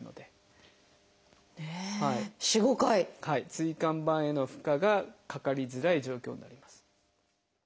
椎間板への負荷がかかりづらい状況になります。